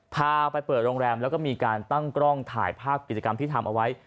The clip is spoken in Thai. พาไปเปิดโรงแรมแล้วก็มีการตั้งกล้องถ่ายภาพกิจกรรมที่ทำเอาไว้